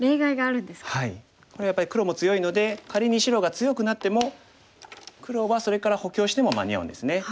これはやっぱり黒も強いので仮に白が強くなっても黒はそれから補強しても間に合うんですね。